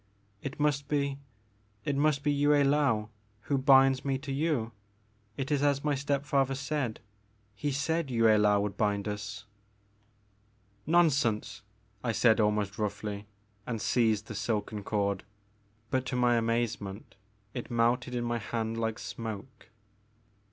It must be — ^it must be Yue I^ou who binds me to you, — ^it is as my step father said — ^he said Yue I^aou would bind us '' 74 ^>4^ Maker of Moons. '* Nonsense,*' I said almost roughly, and seized the silken cord, but to my amazement it melted in my hand like smoke.